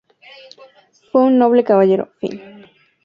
Fue un noble caballero, fin.